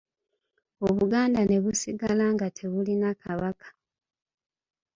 Obuganda ne busigala nga tebulina Kabaka.